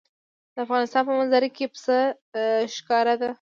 د افغانستان په منظره کې پسه ښکاره ده.